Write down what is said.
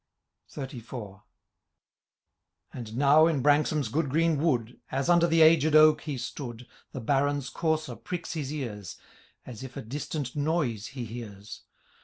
XXXIV. And now, in Branksome's good green wood. As under the aged oak he stood. The Baron's courser pricks his ears, As if a distant noise he hears.